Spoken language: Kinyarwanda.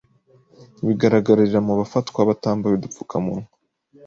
bigaragarira mu bafatwa batambaye udupfukamunwa